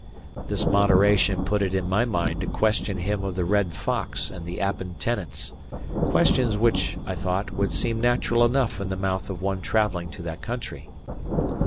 This moderation put it in my mind to question him of the Red Fox and the Appin tenants; questions which, I thought, would seem natural enough in the mouth of one travelling to that country.